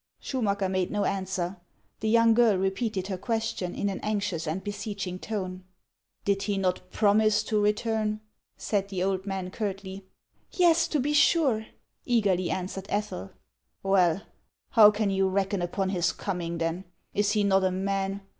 " Schmnacker made no answer. The young girl repeated her question in an anxious and beseeching tone. "Did he not promise to return?" said the old man, curtly. ;( Yes, to be sure !" eagerly answered Ethel. " Well, how can you reckon upon his coming, then ? Is he not a man